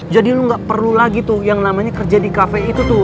jadi lu gak perlu lagi tuh yang namanya kerja di kafe itu tuh